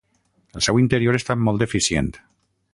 El seu interior està molt deficient.